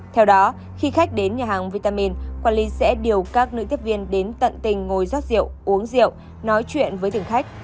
theo đó khi khách đến nhà hàng vitamin quản lý sẽ điều các nữ tiếp viên đến tận tình ngồi giót rượu uống rượu nói chuyện với từng khách